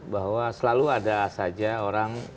bahwa selalu ada saja orang